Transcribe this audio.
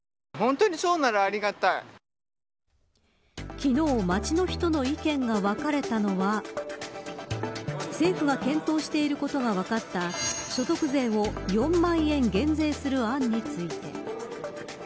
昨日、街の人の意見が分かれたのは政府が検討していることが分かった所得税を４万円減税する案について。